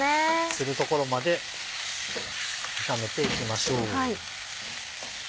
するところまで炒めていきましょう。